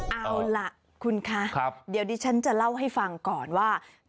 เอาล่ะคุณคะเดี๋ยวดิฉันจะเล่าให้ฟังก่อนว่า